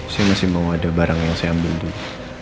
saya masih mau ada barang yang saya ambil dulu